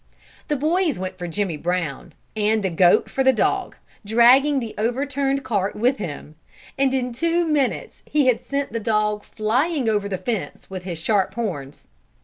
The boys went for Jimmy Brown, and the goat for the dog, dragging the overturned cart with him, and in two minutes, he had sent the dog flying over the fence, with his sharp horns.